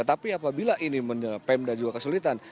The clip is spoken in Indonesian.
tapi apabila ini pemda juga kesulitan